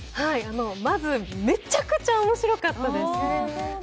まず、めちゃくちゃ面白かったです。